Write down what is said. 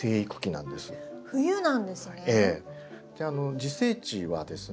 自生地はですね